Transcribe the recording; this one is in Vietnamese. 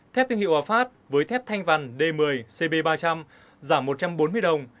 thép tương hiệu hòa phát với thép thanh vằn d một mươi cb ba trăm linh giảm một trăm bốn mươi đồng